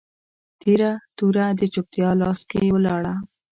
تیره توره د چوپتیا لاس کي ولاړه